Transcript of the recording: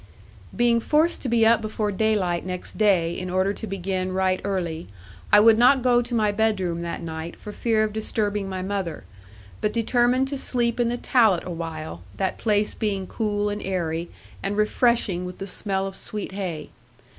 Being forced to be up before daylight next day, in order to begin right early, I would not go to my bedroom that night for fear of disturbing my mother, but determined to sleep in the tallat awhile, that place being cool, and airy, and refreshing with the smell of sweet hay.